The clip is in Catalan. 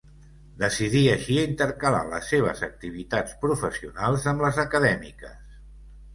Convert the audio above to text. Decidí així intercalar les seves activitats professionals amb les acadèmiques.